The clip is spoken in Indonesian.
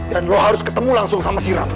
dan lo harus ketemu langsung sama si rama